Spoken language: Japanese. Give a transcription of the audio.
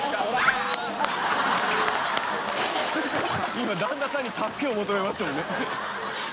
今旦那さんに助けを求めましたよね？